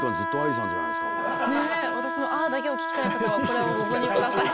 これねえ私の「あー」だけを聴きたい方はこれをご購入下さい。